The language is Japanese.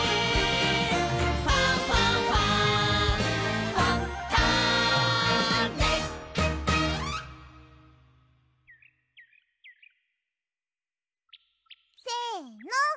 「ファンファンファン」せの！